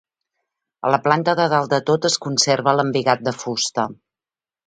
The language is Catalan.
A la planta de dalt de tot es conserva l'embigat de fusta.